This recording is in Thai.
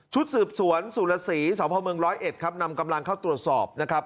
ชุดสืบสวนสุลศรีสาวพระเมือง๑๐๑ครับนำกำลังเข้าตรวจสอบนะครับ